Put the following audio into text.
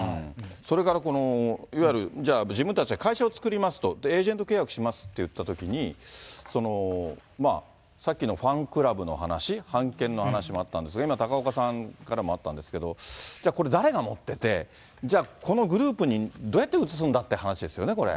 それからいわゆる、じゃあ、自分たちが会社を作りますと、エージェント契約しますっていったときに、さっきのファンクラブの話、版権の話もあったんですが、今、高岡さんからもあったんですけど、じゃあ、これ、誰が持ってて、じゃあ、このグループにどうやって移すんだっていう話ですよね、これ。